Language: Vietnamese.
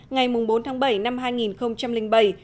ngày bốn bảy hai nghìn bảy của bộ chính trị khóa một mươi